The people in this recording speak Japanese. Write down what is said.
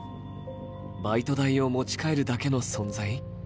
バイト代を持ち帰るだけの存在？